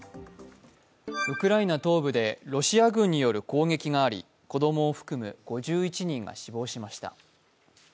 ウクライナ東部でロシア軍による攻撃があり、子供を含む５１人が死亡しました。